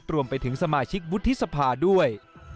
รวมไปถึงสมาชิกวุฒิสภาด้วย